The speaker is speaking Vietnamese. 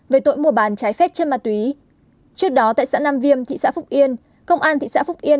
về tội mua bán trái phép chất ma túy trước đó tại xã nam viêm thị xã phúc yên công an thị xã phúc yên